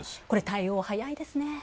これ対応早いですね。